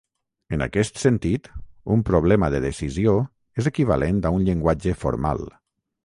En aquest sentit, un problema de decisió és equivalent a un llenguatge formal.